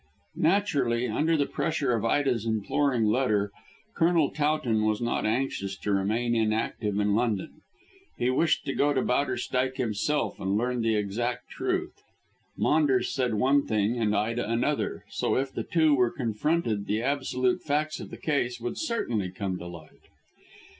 Naturally, under the pressure of Ida's imploring letter, Colonel Towton was not anxious to remain inactive in London. He wished to go to Bowderstyke himself and learn the exact truth. Maunders said one thing and Ida another, so if the two were confronted the absolute facts of the case would certainly come to light.